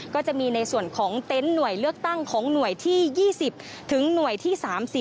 ก็จะมีในส่วนของเต็นต์หน่วยเลือกตั้งของหน่วยที่๒๐๓๐